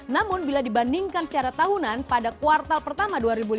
namun bila dibandingkan secara tahunan pada kuartal pertama dua ribu lima belas